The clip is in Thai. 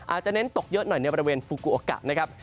เน้นตกเยอะหน่อยในบริเวณฟูกูโอกะนะครับ